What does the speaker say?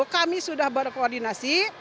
kami sudah berkoordinasi